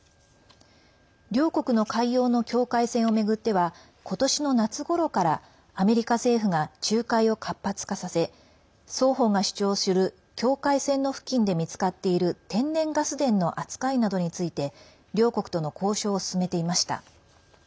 両国の海洋の境界線を巡っては今年の夏ごろからアメリカ政府が仲介を活発化させ双方が主張する境界線の付近で見つかっている天然ガス田の扱いなどについて両国との交渉を進めていました。